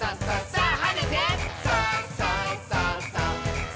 「さあ！」